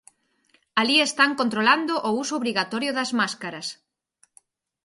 Alí están controlando o uso obrigatorio das máscaras.